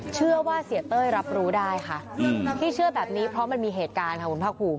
เชื่อว่าเสียเต้ยรับรู้ได้ค่ะที่เชื่อแบบนี้เพราะมันมีเหตุการณ์ค่ะคุณภาคภูมิ